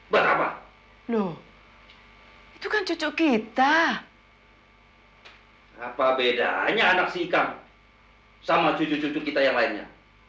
buat apa loh itu kan cucuk kita apa bedanya anak si ikang sama cucuk cucuk kita yang lainnya